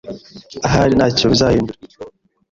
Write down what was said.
Ahari ntacyo bizahindura.